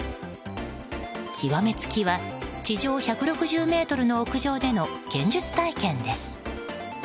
極め付きは地上１６０ｍの屋上での剣術体験です。